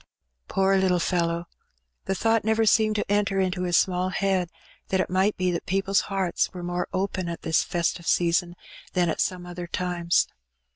Poor little fellow! the thought never seemed to enter into his small head that it' might be that, people's hearts were more open at this festive season than at some other times.